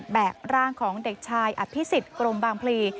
ร่างของเด็กชายอภิษฎกรมบางพลี